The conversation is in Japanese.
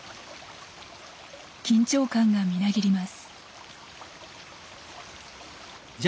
緊張感がみなぎります。